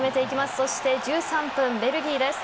そして１３分ベルギーです。